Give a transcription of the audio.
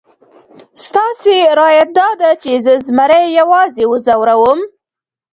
ستاسې رایه داده چې زه زمري یوازې وځوروم؟